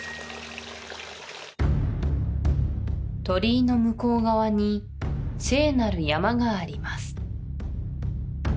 鳥居の向こう側に聖なる山があります